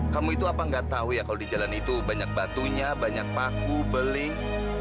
kamu itu apa nggak tahu ya kalau di jalan itu banyak batunya banyak paku beling